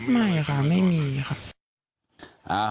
ไม่ค่ะไม่มีค่ะ